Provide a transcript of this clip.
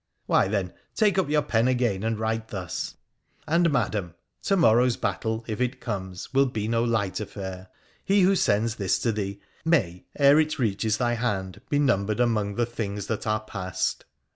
' Why, then, take up your pen again and write thus :— And, Madam, to morrow 's battle, if it comes, will be no light affair. He xoho sends this to thee may, ere it reaches thy hand, be numbered among the things that are past.